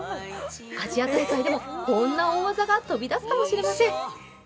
アジア大会でこんな大技が飛び出すかもしれません。